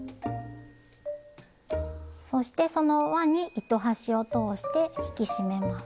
そしてその輪に糸端を通して引き締めます。